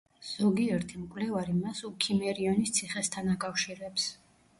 ზოგიერთი მკვლევარი მას უქიმერიონის ციხესთან აკავშირებს.